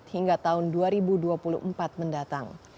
hingga tahun dua ribu dua puluh empat mendatang